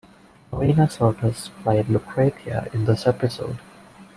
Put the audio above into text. Marina Sirtis played Lucretia in this episode.